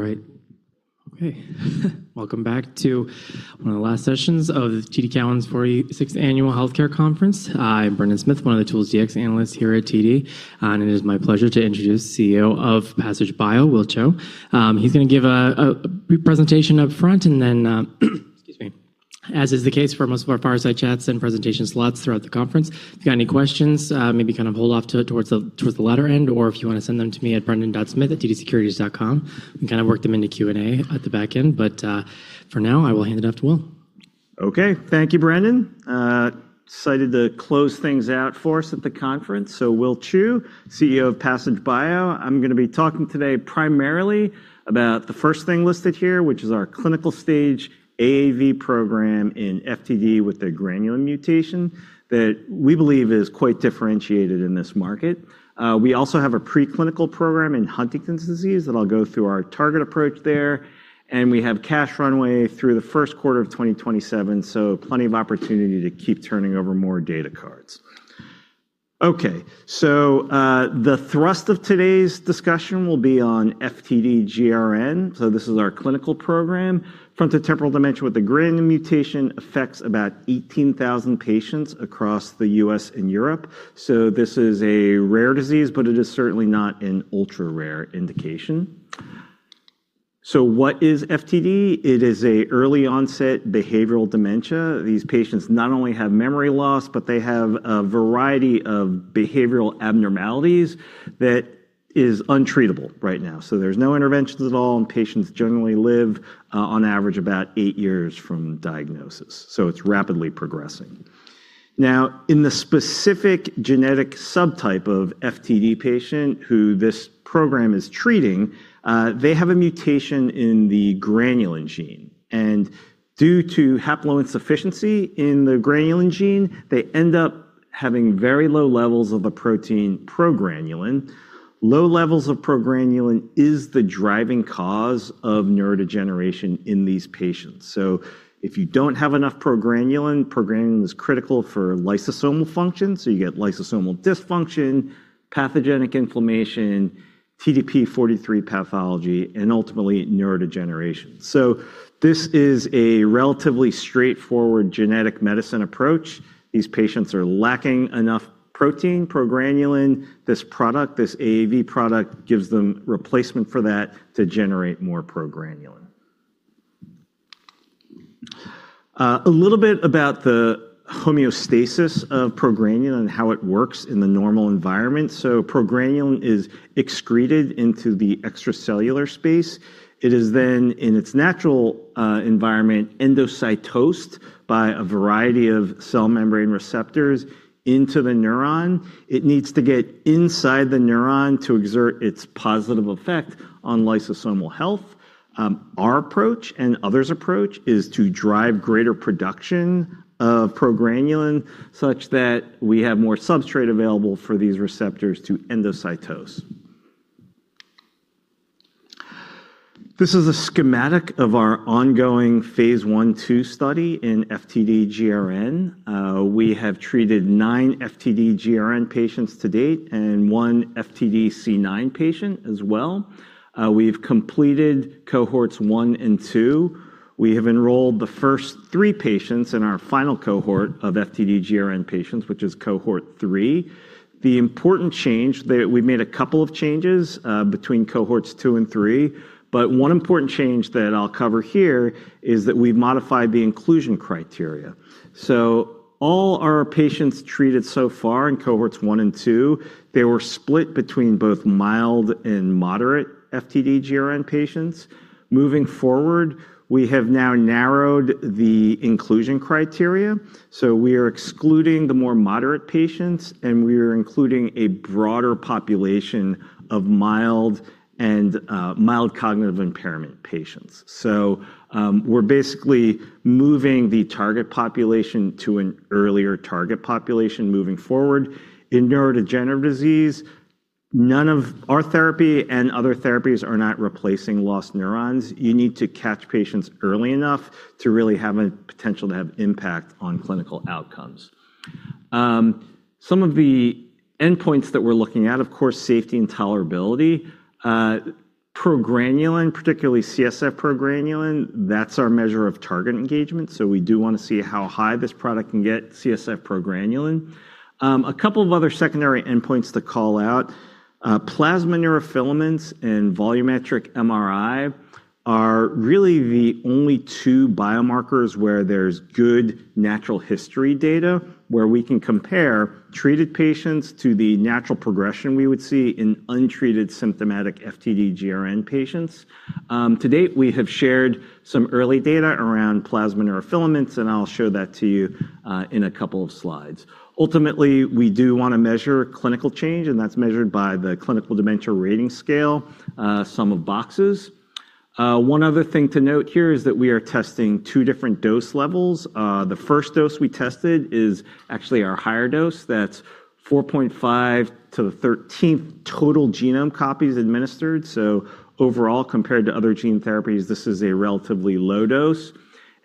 All right. Okay. Welcome back to one of the last sessions of the TD Cowen's 46th Annual Healthcare Conference. I'm Brendan Smith, one of the Biotechnology analysts here at TD, it is my pleasure to introduce CEO of Passage Bio, Will Chu. He's gonna give a brief presentation up front, then, excuse me, as is the case for most of our fireside chats and presentation slots throughout the conference, if you've got any questions, maybe kind of hold off towards the latter end, or if you wanna send them to me at brendan.smith@tdsecurities.com kind of work them into Q&A at the back end. For now, I will hand it off to Will. Okay. Thank you, Brendan. Excited to close things out for us at the conference. William Chou, CEO of Passage Bio. I'm gonna be talking today primarily about the first thing listed here, which is our clinical stage AAV program in FTD with a granulin mutation that we believe is quite differentiated in this market. We also have a preclinical program in Huntington's disease that I'll go through our target approach there, and we have cash runway through the Q1 of 2027, so plenty of opportunity to keep turning over more data cards. Okay. The thrust of today's discussion will be on FTD-GRN. This is our clinical program. Frontotemporal dementia with the granulin mutation affects about 18,000 patients across the U.S. and Europe. This is a rare disease, but it is certainly not an ultra-rare indication. What is FTD? It is a early-onset behavioral dementia. These patients not only have memory loss, but they have a variety of behavioral abnormalities that is untreatable right now. There's no interventions at all, and patients generally live on average about eight years from diagnosis, so it's rapidly progressing. Now, in the specific genetic subtype of FTD patient who this program is treating, they have a mutation in the granulin gene. Due to haploinsufficiency in the granulin gene, they end up having very low levels of the protein progranulin. Low levels of progranulin is the driving cause of neurodegeneration in these patients. If you don't have enough progranulin is critical for lysosomal function, so you get lysosomal dysfunction, pathogenic inflammation, TDP-43 pathology, and ultimately neurodegeneration. This is a relatively straightforward genetic medicine approach. These patients are lacking enough protein progranulin. This product, this AAV product, gives them replacement for that to generate more progranulin. A little bit about the homeostasis of progranulin and how it works in the normal environment. Progranulin is excreted into the extracellular space. It is then, in its natural environment, endocytosed by a variety of cell membrane receptors into the neuron. It needs to get inside the neuron to exert its positive effect on lysosomal health. Our approach and others' approach is to drive greater production of progranulin such that we have more substrate available for these receptors to endocytose. This is a schematic of our ongoing phase 1/2 study in FTD-GRN. We have treated 9 FTD-GRN patients to date and 1 FTD-C9 patient as well. We've completed cohorts one and two. We have enrolled the first three patients in our final cohort of FTD-GRN patients, which is cohort 3. The important change that we've made a couple of changes between cohorts two and three, but one important change that I'll cover here is that we've modified the inclusion criteria. All our patients treated so far in cohorts one and two, they were split between both mild and moderate FTD-GRN patients. Moving forward, we have now narrowed the inclusion criteria, so we are excluding the more moderate patients, and we are including a broader population of mild and mild cognitive impairment patients. We're basically moving the target population to an earlier target population moving forward. In neurodegenerative disease, none of our therapy and other therapies are not replacing lost neurons. You need to catch patients early enough to really have a potential to have impact on clinical outcomes. Some of the endpoints that we're looking at, of course, safety and tolerability. Progranulin, particularly CSF progranulin, that's our measure of target engagement, so we do wanna see how high this product can get CSF progranulin. A couple of other secondary endpoints to call out. Plasma neurofilaments and volumetric MRI are really the only two biomarkers where there's good natural history data where we can compare treated patients to the natural progression we would see in untreated symptomatic FTD-GRN patients. To date, we have shared some early data around plasma neurofilaments, and I'll show that to you in a couple of slides. Ultimately, we do wanna measure clinical change, and that's measured by the Clinical Dementia Rating scale, sum of boxes. One other thing to note here is that we are testing two different dose levels. The first dose we tested is actually our higher dose. That's 4.5 to the 13th total genome copies administered. Overall, compared to other gene therapies, this is a relatively low dose.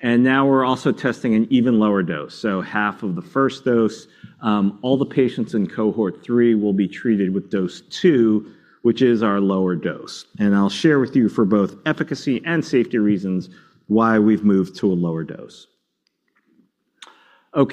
Now we're also testing an even lower dose, so half of the first dose. All the patients in cohort three will be treated with dose two, which is our lower dose. I'll share with you for both efficacy and safety reasons why we've moved to a lower dose. How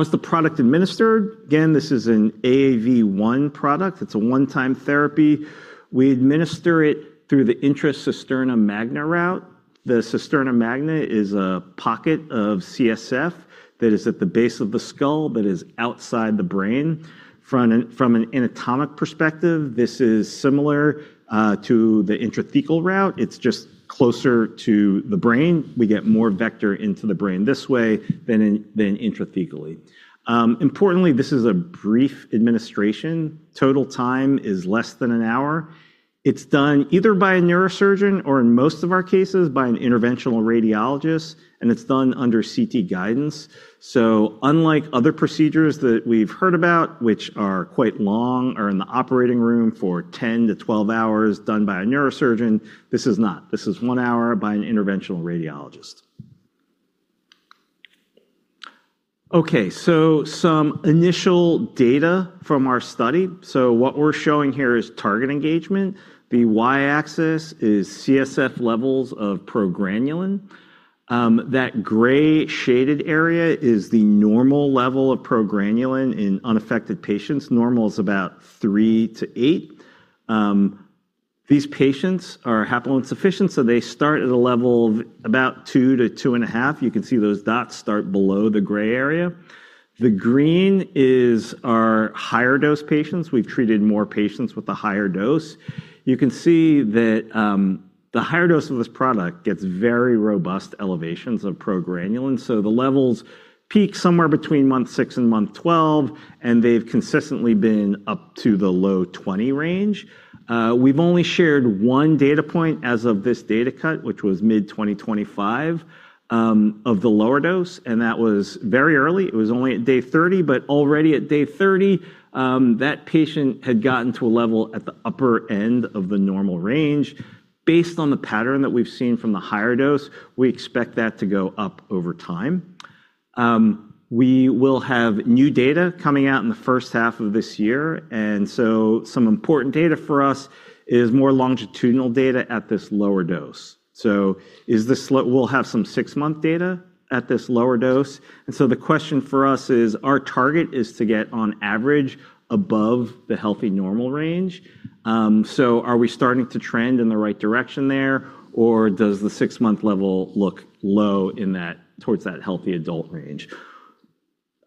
is the product administered? Again, this is an AAV1 product. It's a 1-time therapy. We administer it through the intracisterna magna route. The cisterna magna is a pocket of CSF that is at the base of the skull but is outside the brain. From an anatomic perspective, this is similar to the intrathecal route. It's just closer to the brain. We get more vector into the brain this way than intrathecally. Importantly, this is a brief administration. Total time is less than 1 hour. It's done either by a neurosurgeon or in most of our cases, by an interventional radiologist. It's done under CT guidance. Unlike other procedures that we've heard about, which are quite long or in the operating room for 10-12 hours done by a neurosurgeon, this is not. This is one hour by an interventional radiologist. Some initial data from our study. What we're showing here is target engagement. The Y-axis is CSF levels of progranulin. That gray shaded area is the normal level of progranulin in unaffected patients. Normal is about three-eight. These patients are haploinsufficient. They start at a level of about 2 to 2.5. You can see those dots start below the gray area. The green is our higher dose patients. We've treated more patients with a higher dose. You can see that the higher dose of this product gets very robust elevations of progranulin. The levels peak somewhere between month six and month 12, and they've consistently been up to the low 20 range. We've only shared one data point as of this data cut, which was mid-2025, of the lower dose, and that was very early. It was only at day 30, but already at day 30, that patient had gotten to a level at the upper end of the normal range. Based on the pattern that we've seen from the higher dose, we expect that to go up over time. We will have new data coming out in the H1 of this year, some important data for us is more longitudinal data at this lower dose. We'll have some six-month data at this lower dose. The question for us is, our target is to get on average above the healthy normal range. Are we starting to trend in the right direction there, or does the six-month level look low towards that healthy adult range?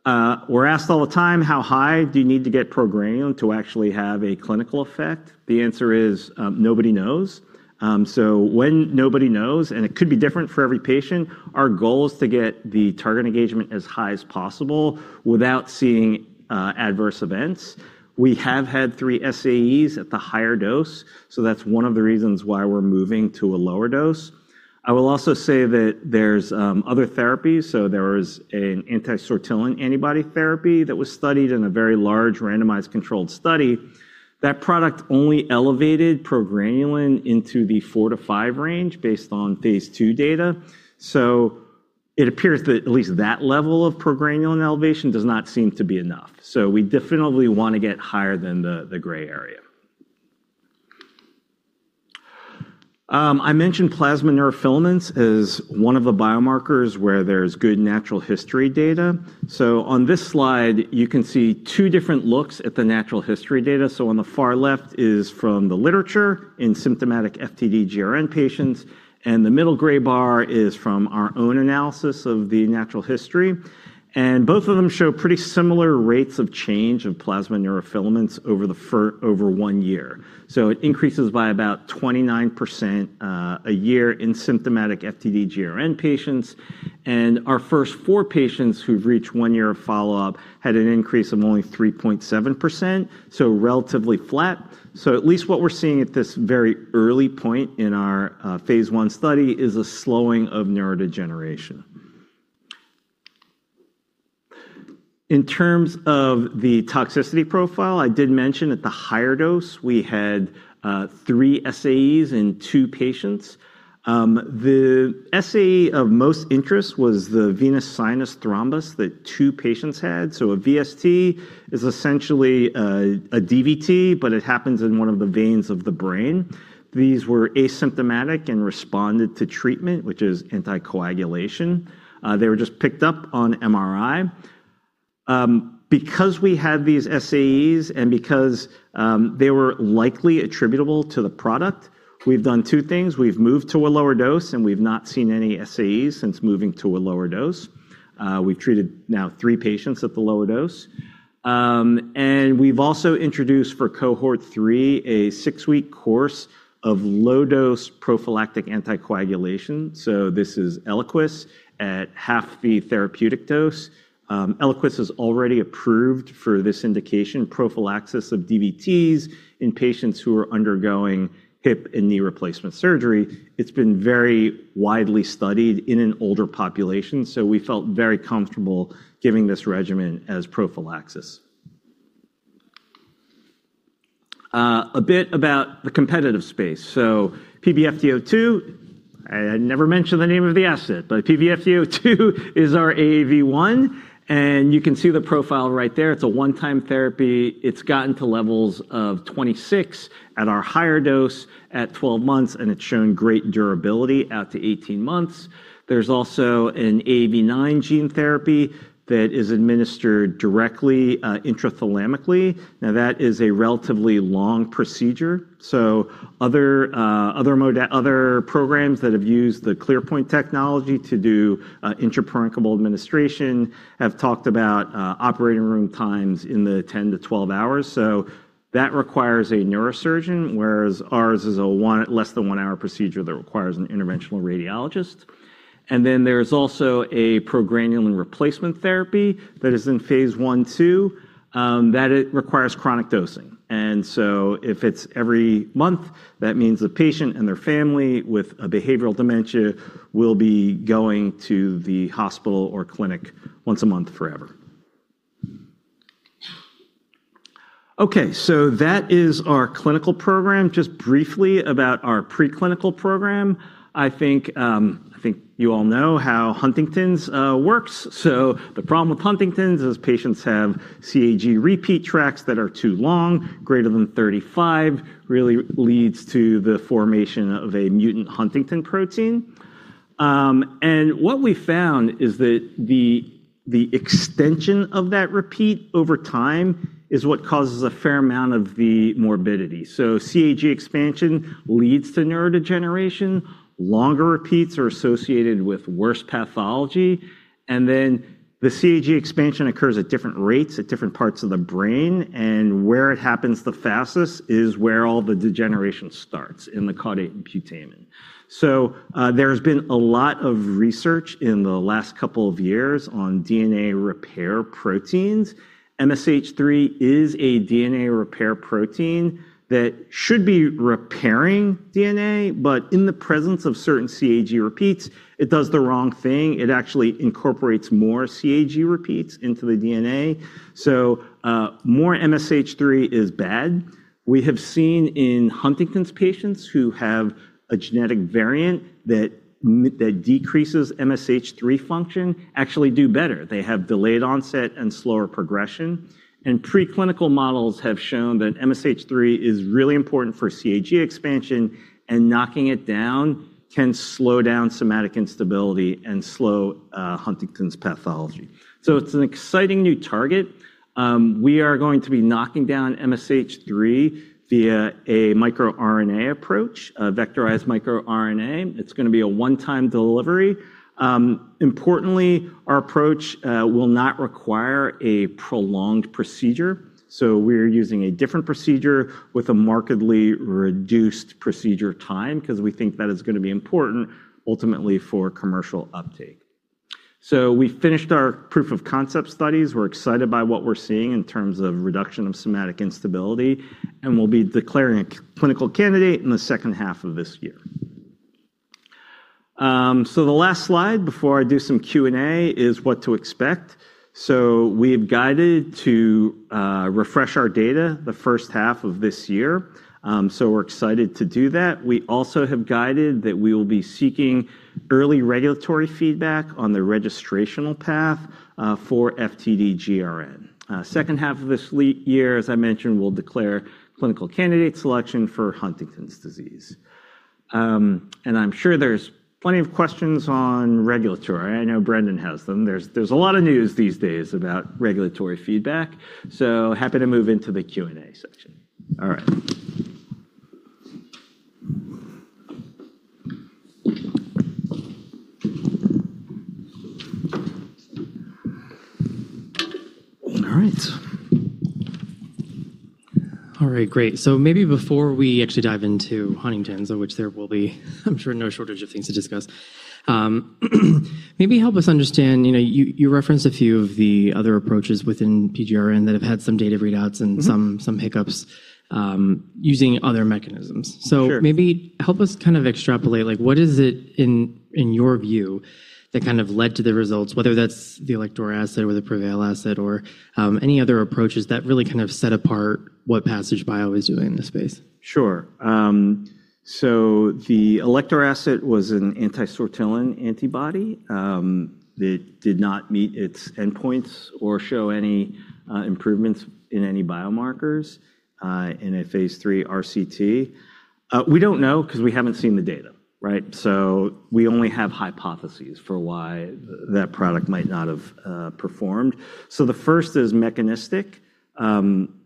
We're asked all the time, how high do you need to get progranulin to actually have a clinical effect? The answer is, nobody knows. When nobody knows, and it could be different for every patient, our goal is to get the target engagement as high as possible without seeing adverse events. We have had 3 SAEs at the higher dose, that's one of the reasons why we're moving to a lower dose. I will also say that there's other therapies. There is an anti-sortilin antibody therapy that was studied in a very large randomized controlled study. That product only elevated progranulin into the four-five range based on phase two data. It appears that at least that level of progranulin elevation does not seem to be enough. We definitely wanna get higher than the gray area. I mentioned plasma neurofilaments as one of the biomarkers where there's good natural history data. On this slide, you can see two different looks at the natural history data. On the far left is from the literature in symptomatic FTD-GRN patients, and the middle gray bar is from our own analysis of the natural history. Both of them show pretty similar rates of change of plasma neurofilaments over one year. It increases by about 29% a year in symptomatic FTD-GRN patients. Our first four patients who've reached one year of follow-up had an increase of only 3.7%, so relatively flat. At least what we're seeing at this very early point in our phase one study is a slowing of neurodegeneration. In terms of the toxicity profile, I did mention at the higher dose, we had 3 SAEs in two patients. The SAE of most interest was the venous sinus thrombosis that 2 patients had. A VST is essentially a DVT, but it happens in one of the veins of the brain. These were asymptomatic and responded to treatment, which is anticoagulation. They were just picked up on MRI. Because we had these SAEs and because they were likely attributable to the product, we've done two things. We've moved to a lower dose, and we've not seen any SAEs since moving to a lower dose. We've treated now three patients at the lower dose. We've also introduced for cohort three, a six-week course of low-dose prophylactic anticoagulation. This is Eliquis at half the therapeutic dose. Eliquis is already approved for this indication, prophylaxis of DVTs in patients who are undergoing hip and knee replacement surgery. It's been very widely studied in an older population, so we felt very comfortable giving this regimen as prophylaxis. A bit about the competitive space. PBFT02, I never mentioned the name of the asset, but PBFT02 is our AAV1, and you can see the profile right there. It's a one-time therapy. It's gotten to levels of 26 at our higher dose at 12 months, and it's shown great durability out to 18 months. There's also an AAV9 gene therapy that is administered directly intrathalamically. That is a relatively long procedure. Other programs that have used the ClearPoint technology to do intraparenchymal administration have talked about operating room times in the 10 to 12 hours. That requires a neurosurgeon, whereas ours is a less than one-hour procedure that requires an interventional radiologist. There's also a progranulin replacement therapy that is in phase one, two that it requires chronic dosing. If it's every month, that means the patient and their family with a behavioral dementia will be going to the hospital or clinic once a month forever. That is our clinical program. Just briefly about our preclinical program. I think you all know how Huntington's works. The problem with Huntington's is patients have CAG repeat tracts that are too long, greater than 35, really leads to the formation of a mutant huntingtin protein. What we found is that the extension of that repeat over time is what causes a fair amount of the morbidity. CAG expansion leads to neurodegeneration. Longer repeats are associated with worse pathology. The CAG expansion occurs at different rates at different parts of the brain, and where it happens the fastest is where all the degeneration starts, in the caudate and putamen. There's been a lot of research in the last couple of years on DNA repair proteins. MSH3 is a DNA repair protein that should be repairing DNA, but in the presence of certain CAG repeats, it does the wrong thing. It actually incorporates more CAG repeats into the DNA, so more MSH3 is bad. We have seen in Huntington's patients who have a genetic variant that decreases MSH3 function actually do better. They have delayed onset and slower progression. Preclinical models have shown that MSH3 is really important for CAG expansion, and knocking it down can slow down somatic instability and slow Huntington's pathology. It's an exciting new target. We are going to be knocking down MSH3 via a microRNA approach, a vectorized microRNA. It's gonna be a one-time delivery. Importantly, our approach will not require a prolonged procedure. We're using a different procedure with a markedly reduced procedure time because we think that is going to be important ultimately for commercial uptake. We finished our proof of concept studies. We're excited by what we're seeing in terms of reduction of somatic instability, and we'll be declaring a clinical candidate in the 2nd half of this year. The last slide before I do some Q&A is what to expect. We've guided to refresh our data the 1st half of this year. We're excited to do that. We also have guided that we will be seeking early regulatory feedback on the registrational path for FTD-GRN. 2nd half of this year, as I mentioned, we'll declare clinical candidate selection for Huntington's disease. I'm sure there's plenty of questions on regulatory. I know Brendan has them. There's a lot of news these days about regulatory feedback. Happy to move into the Q&A section. All right. All right. All right, great. Maybe before we actually dive into Huntington's, of which there will be, I'm sure, no shortage of things to discuss, maybe help us understand, you know, you referenced a few of the other approaches within PGRN that have had some data readouts. Mm-hmm. Some hiccups, using other mechanisms. Sure. maybe help us kind of extrapolate, like, what is it in your view that kind of led to the results, whether that's the Alector asset or the Prevail asset or any other approaches that really kind of set apart what Passage Bio is doing in this space? The Elekta asset was an anti-sortilin antibody that did not meet its endpoints or show any improvements in any biomarkers in a phase three RCT. We don't know 'cause we haven't seen the data, right? We only have hypotheses for why that product might not have performed. The first is mechanistic.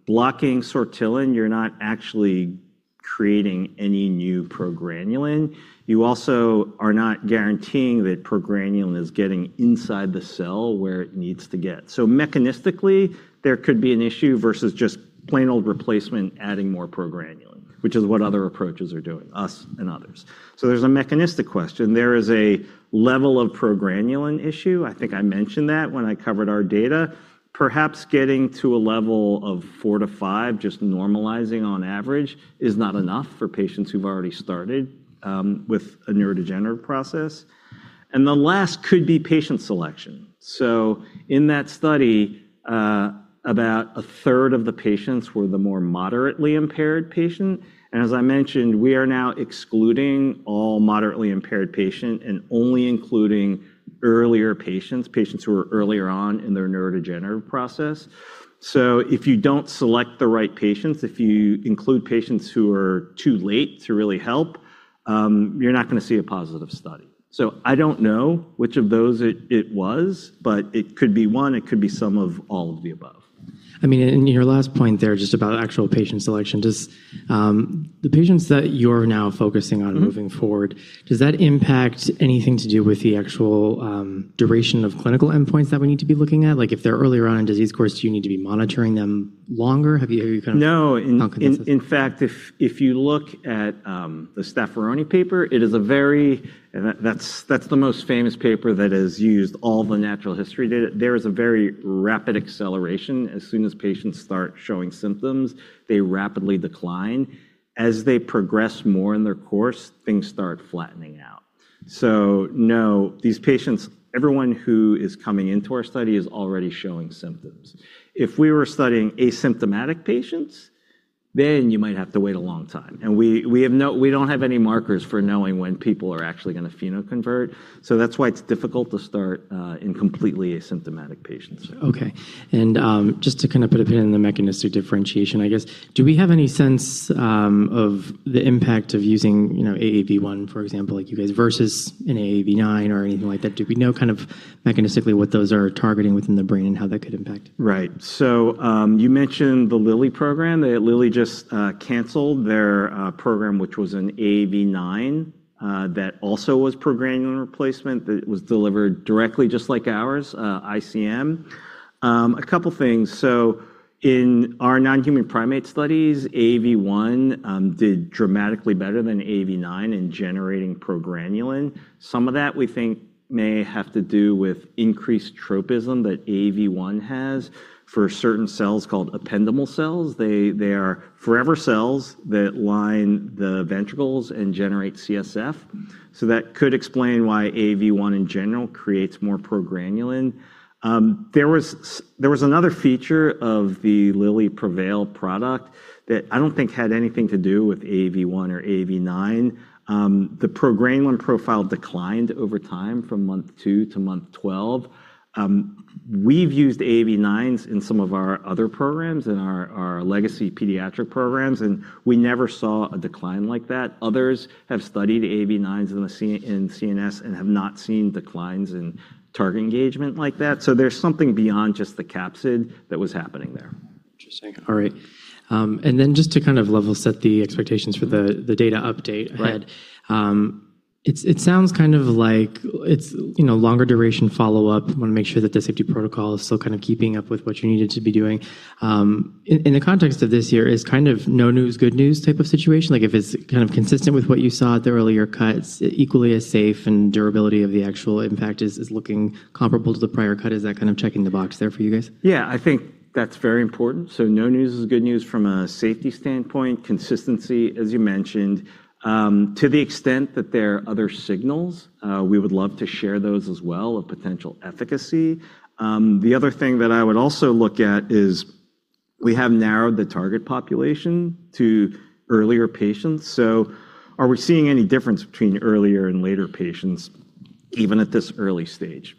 Blocking sortilin, you're not actually creating any new progranulin. You also are not guaranteeing that progranulin is getting inside the cell where it needs to get. Mechanistically, there could be an issue versus just plain old replacement adding more progranulin, which is what other approaches are doing, us and others. There's a mechanistic question. There is a level of progranulin issue. I think I mentioned that when I covered our data. Perhaps getting to a level of four to five, just normalizing on average, is not enough for patients who've already started with a neurodegenerative process. The last could be patient selection. In that study, about 1/3 of the patients were the more moderately impaired patient. As I mentioned, we are now excluding all moderately impaired patient and only including earlier patients who are earlier on in their neurodegenerative process. If you don't select the right patients, if you include patients who are too late to really help, you're not gonna see a positive study. I don't know which of those it was, but it could be one, it could be some of all of the above. I mean, in your last point there, just about actual patient selection, does, the patients that you're now focusing on. Mm-hmm. moving forward, does that impact anything to do with the actual, duration of clinical endpoints that we need to be looking at? Like, if they're earlier on in disease course, do you need to be monitoring them longer? Have you. No. In fact, if you look at the Staffaroni paper, that's the most famous paper that has used all the natural history data. There is a very rapid acceleration. As soon as patients start showing symptoms, they rapidly decline. As they progress more in their course, things start flattening out. No, these patients, everyone who is coming into our study is already showing symptoms. If we were studying asymptomatic patients, then you might have to wait a long time. We don't have any markers for knowing when people are actually gonna phenoconvert. That's why it's difficult to start in completely asymptomatic patients. Okay. Just to kind of put a pin in the mechanistic differentiation, I guess. Do we have any sense of the impact of using, you know, AAV1, for example, like you guys, versus an AAV9 or anything like that? Do we know kind of mechanistically what those are targeting within the brain and how that could impact? Right. You mentioned the Lilly program. Lilly just canceled their program, which was an AAV9 that also was progranulin replacement that was delivered directly just like ours, ICM. A couple things. In our non-human primate studies, AAV1 did dramatically better than AAV9 in generating progranulin. Some of that we think may have to do with increased tropism that AAV1 has for certain cells called ependymal cells. They are forever cells that line the ventricles and generate CSF. That could explain why AAV1 in general creates more progranulin. There was another feature of the Lilly Prevail product that I don't think had anything to do with AAV1 or AAV9. The progranulin profile declined over time from month 2 to month 12. We've used AAV9s in some of our other programs, in our legacy pediatric programs, and we never saw a decline like that. Others have studied AAV9s in CNS and have not seen declines in target engagement like that. There's something beyond just the capsid that was happening there. Interesting. All right. Just to kind of level set the expectations for the data update. Right. I had, it sounds kind of like it's, you know, longer duration follow-up. Wanna make sure that the safety protocol is still kind of keeping up with what you needed to be doing. In the context of this year, is kind of no news, good news type of situation? Like, if it's kind of consistent with what you saw at the earlier cuts, equally as safe and durability of the actual impact is looking comparable to the prior cut. Is that kind of checking the box there for you guys? Yeah, I think that's very important. No news is good news from a safety standpoint. Consistency, as you mentioned. To the extent that there are other signals, we would love to share those as well of potential efficacy. The other thing that I would also look at is we have narrowed the target population to earlier patients. Are we seeing any difference between earlier and later patients even at this early stage?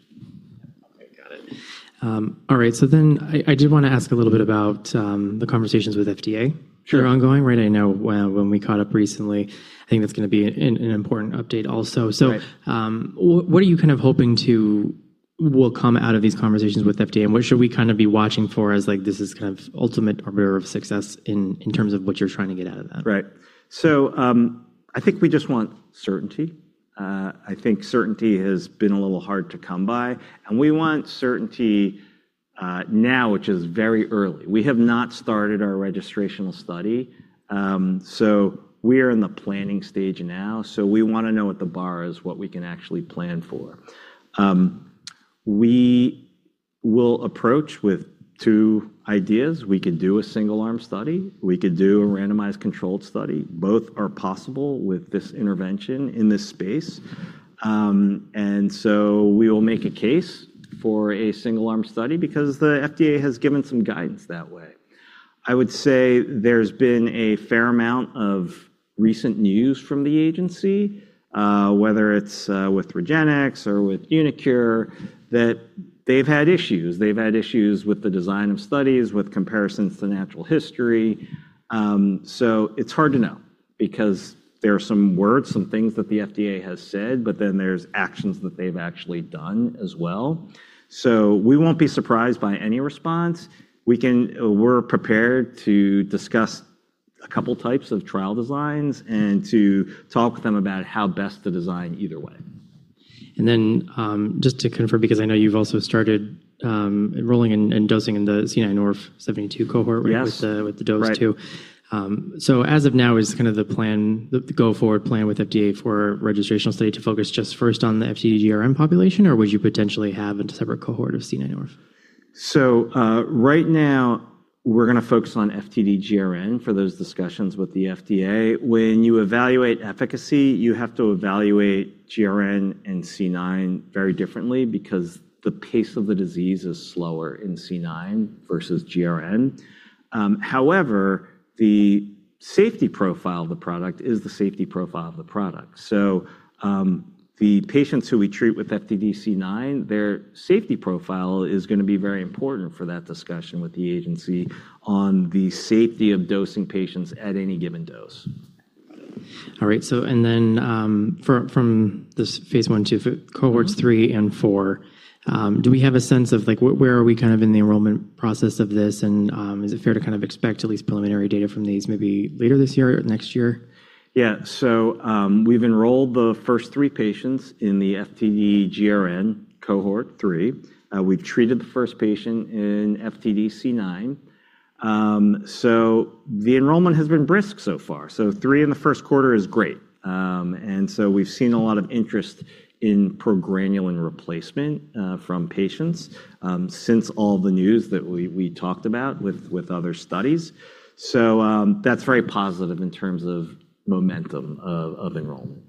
Okay. Got it. All right. I did wanna ask a little bit about the conversations with FDA- Sure. that are ongoing, right? I know when we caught up recently, I think that's gonna be an important update also. Right. What are you kind of hoping to will come out of these conversations with FDA, and what should we kind of be watching for as, like, this is kind of ultimate arbiter of success in terms of what you're trying to get out of that? Right. I think we just want certainty. I think certainty has been a little hard to come by, and we want certainty now, which is very early. We have not started our registrational study. We are in the planning stage now. We wanna know what the bar is, what we can actually plan for. We will approach with two ideas. We could do a single arm study. We could do a randomized controlled study. Both are possible with this intervention in this space. We will make a case for a single arm study because the FDA has given some guidance that way. I would say there's been a fair amount of recent news from the agency, whether it's with REGENXBIO or with uniQure, that they've had issues. They've had issues with the design of studies, with comparisons to natural history. It's hard to know because there are some words, some things that the FDA has said, there's actions that they've actually done as well. We won't be surprised by any response. We're prepared to discuss a couple types of trial designs, and to talk with them about how best to design either way. Just to confirm, because I know you've also started, enrolling and dosing in the C9orf72 cohort. Yes ...with the dose two. Right. As of now, is kind of the plan, the go forward plan with FDA for registrational study to focus just first on the FTD-GRN population? Or would you potentially have a separate cohort of C9orf? Right now we're gonna focus on FTD-GRN for those discussions with the FDA. When you evaluate efficacy, you have to evaluate GRN and C nine very differently because the pace of the disease is slower in C nine versus GRN. However, the safety profile of the product is the safety profile of the product. The patients who we treat with FTD-C9, their safety profile is gonna be very important for that discussion with the agency on the safety of dosing patients at any given dose. All right. From this phase one, two for cohorts three and four, do we have a sense of like, where are we kind of in the enrollment process of this and, is it fair to kind of expect at least preliminary data from these maybe later this year or next year? We've enrolled the first three patients in the FTD-GRN cohort three. We've treated the first patient in FTD-C9. The enrollment has been brisk so far. Three in the Q1 is great. We've seen a lot of interest in progranulin replacement from patients since all the news that we talked about with other studies. That's very positive in terms of momentum of enrollment.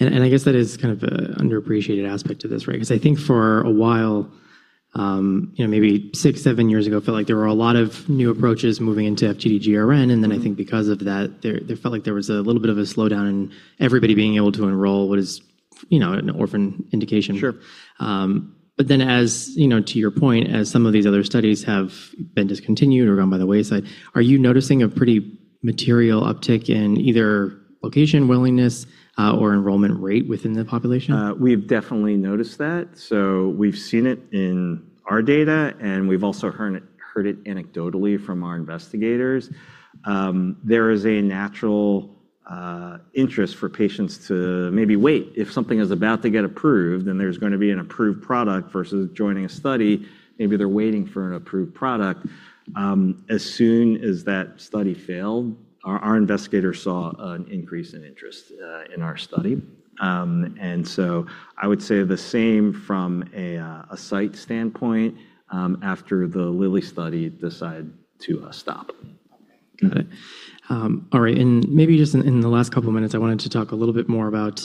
And I guess that is kind of a underappreciated aspect to this, right? 'Cause I think for a while, you know, maybe six, seven years ago, it felt like there were a lot of new approaches moving into FTD-GRN. Mm-hmm. I think because of that, there felt like there was a little bit of a slowdown in everybody being able to enroll what is, you know, an orphan indication. Sure. As, you know, to your point, as some of these other studies have been discontinued or gone by the wayside, are you noticing a pretty material uptick in either location willingness, or enrollment rate within the population? oticed that. We've seen it in our data, and we've also heard it anecdotally from our investigators. There is a natural interest for patients to maybe wait. If something is about to get approved, then there's going to be an approved product versus joining a study. Maybe they're waiting for an approved product. As soon as that study failed, our investigators saw an increase in interest in our study. And so I would say the same from a site standpoint, after the Lilly study decided to stop. Got it. All right. Maybe just in the last couple minutes, I wanted to talk a little bit more about,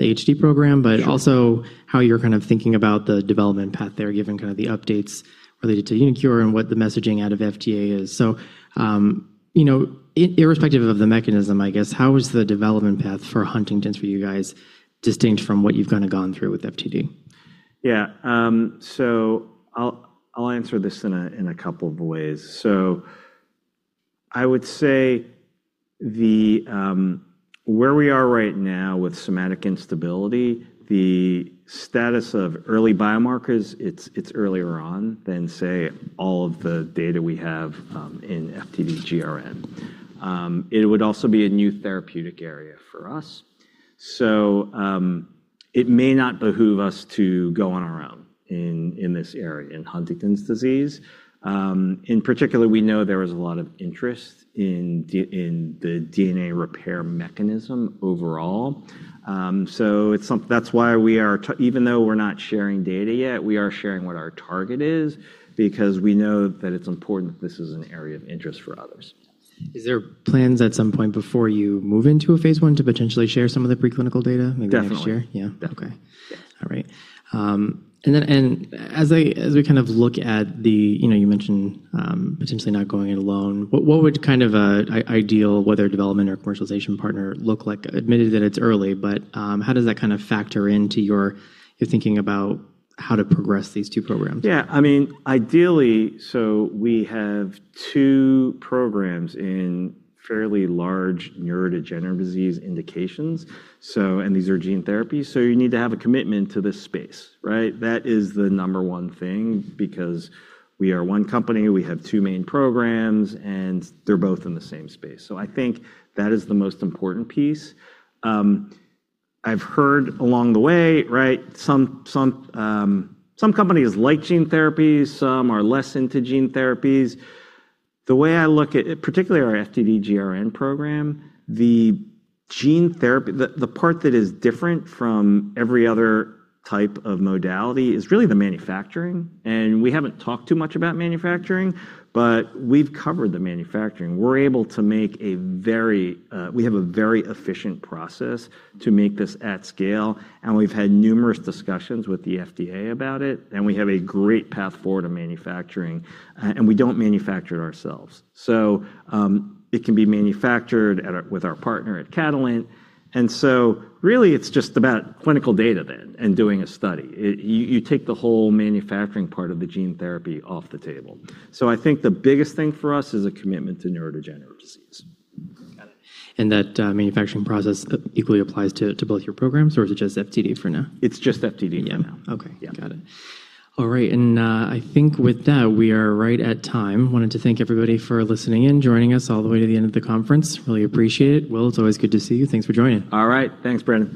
the HD program. Sure ...but also how you're kind of thinking about the development path there, given kind of the updates related to uniQure and what the messaging out of FDA is. You know, irrespective of the mechanism, I guess, how is the development path for Huntington's for you guys distinct from what you've kinda gone through with FTD? Yeah. I'll answer this in a couple of ways. I would say the where we are right now with somatic instability, the status of early biomarkers, it's earlier on than, say, all of the data we have in FTD-GRN. It would also be a new therapeutic area for us. It may not behoove us to go on our own in this area, in Huntington's disease. In particular, we know there is a lot of interest in the DNA repair mechanism overall. That's why even though we're not sharing data yet, we are sharing what our target is because we know that it's important that this is an area of interest for others. Is there plans at some point before you move into a phase I to potentially share some of the preclinical data? Definitely maybe next year? Yeah. Definitely. Okay. Yeah. All right. As I, as we kind of look at the, you know, you mentioned potentially not going it alone. What would kind of a ideal, whether development or commercialization partner look like? Admitted that it's early, but, how does that kind of factor into your thinking about how to progress these two programs? Yeah. I mean, ideally, we have two programs in fairly large neurodegenerative disease indications. These are gene therapies, so you need to have a commitment to this space, right? That is the number one thing, because we are one company, we have two main programs, and they're both in the same space. I think that is the most important piece. I've heard along the way, right, some companies like gene therapies, some are less into gene therapies. The way I look at, particularly our FTD GRN program, the gene therapy, the part that is different from every other type of modality is really the manufacturing. We haven't talked too much about manufacturing, but we've covered the manufacturing. We're able to make a very, we have a very efficient process to make this at scale, and we've had numerous discussions with the FDA about it, and we have a great path forward to manufacturing. We don't manufacture it ourselves. It can be manufactured at our, with our partner at Catalent. Really it's just about clinical data then and doing a study. You take the whole manufacturing part of the gene therapy off the table. I think the biggest thing for us is a commitment to neurodegenerative disease. Got it. That manufacturing process equally applies to both your programs, or is it just FTD for now? It's just FTD right now. Yeah. Okay. Yeah. Got it. All right. I think with that, we are right at time. Wanted to thank everybody for listening in, joining us all the way to the end of the conference. Really appreciate it. Will, it's always good to see you. Thanks for joining. All right. Thanks, Brendan.